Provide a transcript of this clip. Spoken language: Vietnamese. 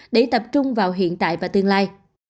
không vào hiện tại và tương lai